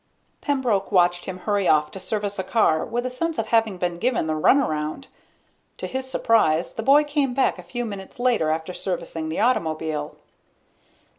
Pembroke watched him hurry off to service a car with a sense of having been given the runaround. To his surprise, the boy came back a few minutes later after servicing the automobile.